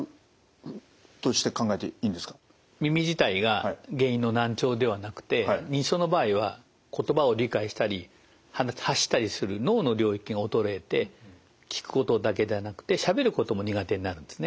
耳自体が原因の難聴ではなくて認知症の場合は言葉を理解したり発したりする脳の領域が衰えて聞くことだけではなくてしゃべることも苦手になるんですね。